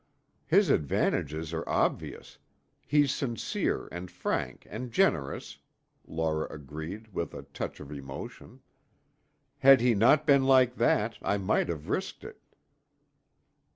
"His advantages are obvious; he's sincere and frank and generous," Laura agreed with a touch of emotion. "Had he not been like that, I might have risked it."